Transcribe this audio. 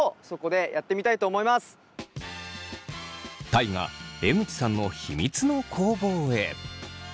大我江口さんの秘密の工房へ。